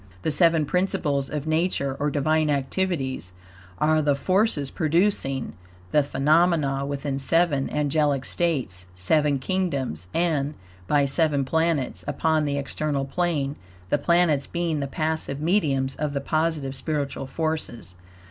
The seven principles of Nature, or Divine Activities, are the forces producing the phenomena within seven angelic states, seven kingdoms, and, by seven planets, upon the external plane; the planets being the passive mediums of the positive spiritual forces.